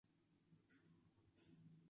Agregada de la Universidad.